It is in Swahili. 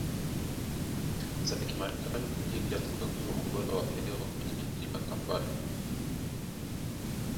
za kimerekani kwa ajili ya kukagua ubora wa hewa kwenye jiji la Kampala